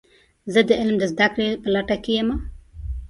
زه د علم د زده کړې په لټه کې یم.